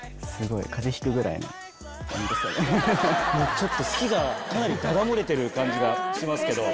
ちょっと好きがだだ漏れてる感じがしますけど。